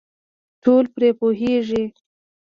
ټول پرې پوهېږي .